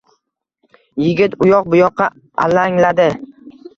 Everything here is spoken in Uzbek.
Yigit uyoq-buyoqqa alangladi